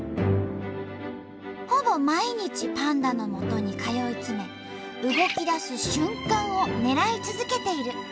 ほぼ毎日パンダのもとに通い詰め動きだす瞬間を狙い続けている。